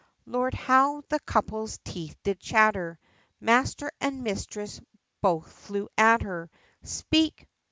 Lord, how the couple's teeth did chatter, Master and Mistress both flew at her, "Speak!